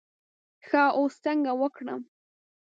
ښه اوس څنګه وکړم.